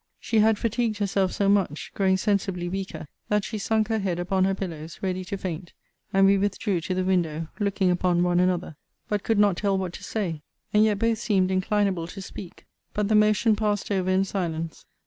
She had fatigued herself so much, (growing sensibly weaker) that she sunk her head upon her pillows, ready to faint; and we withdrew to the window, looking upon one another; but could not tell what to say; and yet both seemed inclinable to speak: but the motion passed over in silence.